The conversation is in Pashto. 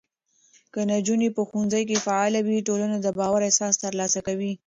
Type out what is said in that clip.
که نجونې په ښوونځي کې فعاله وي، ټولنه د باور احساس ترلاسه کوي.